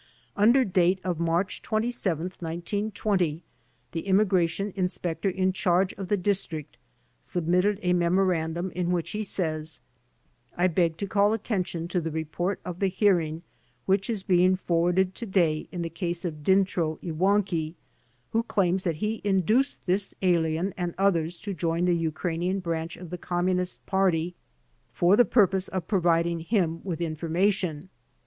Under date of March 27, 1920, the Immigration Inspector in Charge of the district sub mitted a memorandum in which he says: "I beg to call attention to the report of the hearing which is being forwarded to day in the case of Dyntro Iwanldw, who claims that he induced this alien and others to join the Ukranian branch of the G)mniunist Party for the purpose of providing him with information.